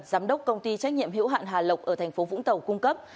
giám đốc công ty trách nhiệm hữu hạn hà lộc ở tp vũng tàu cung cấp